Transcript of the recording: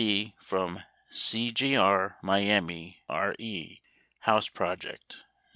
D. from C. G. R. Miami RE: house project."